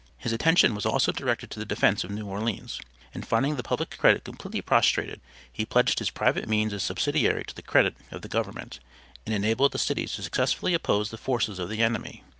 His attention was also directed to the defence of New Orleans, and finding the public credit completely prostrated, he pledged his private means as subsidary to the credit of the Government, and enabled the city to successfully oppose the forces of the enemy.